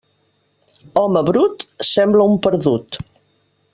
Home brut, sembla un perdut.